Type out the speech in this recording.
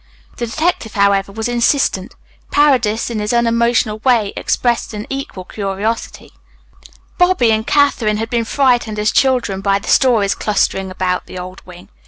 The detective, however, was insistent. Paredes in his unemotional way expressed an equal curiosity. Bobby and Katherine had been frightened as children by the stories clustering about the old wing.